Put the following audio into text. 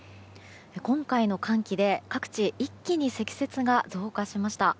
今回の寒気で各地一気に積雪が増加しました。